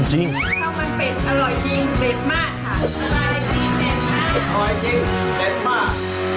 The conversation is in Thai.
อร่อยจริงเป็ดมาก